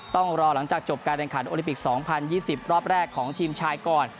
ต้องรอหลังจากจบการแข่งขันโอลิปิก๒๐๒๐รอบแรกของทีมชายก่อน